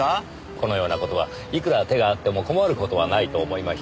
このような事はいくら手があっても困る事はないと思いまして。